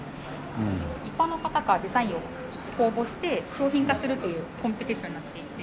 一般の方からデザインを公募して商品化するというコンペティションになっていて。